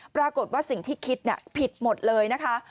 ปรากฏว่าสิ่งที่คิดผิดหมดเลยนะคะ